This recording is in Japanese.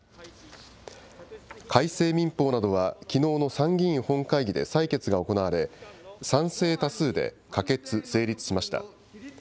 改正民法などは、きのうの参議院本会議で採決が行われ、賛成多数で可決・成立しました。